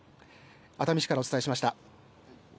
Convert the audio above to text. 熱海市からお伝えしました。